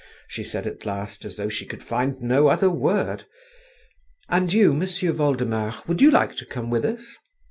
she said at last, as though she could find no other word. "And you, M'sieu' Voldemar, would you come with us?"